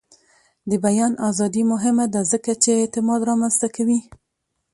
د بیان ازادي مهمه ده ځکه چې اعتماد رامنځته کوي.